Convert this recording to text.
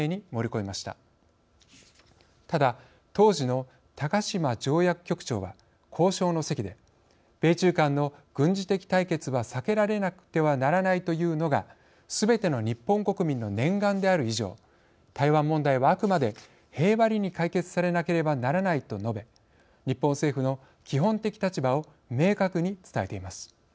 ただ当時の高島条約局長は交渉の席で「米中間の軍事的対決は避けられなくてはならない」というのがすべての日本国民の念願である以上台湾問題はあくまで平和裏に解決されなければならない」と述べ日本政府の基本的立場を明確に伝えています。